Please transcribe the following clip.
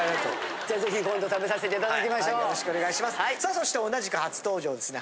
そして同じく初登場ですね